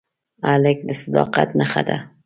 هلک د صداقت نښه ده.